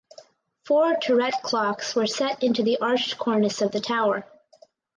Four turret clocks were set into the arched cornice of the tower.